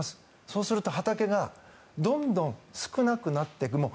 そうすると畑がどんどん少なくなっていく。